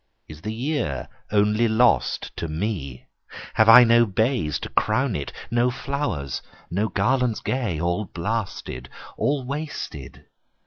Is the year only lost to me? Have I no bays to crown it? No flowers, no garlands gay? all blasted? All wasted?